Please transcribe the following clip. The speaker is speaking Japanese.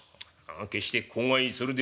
決して口外するではないぞ」。